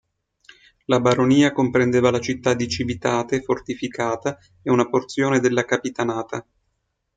La baronia comprendeva la città di Civitate, fortificata, e una porzione della Capitanata.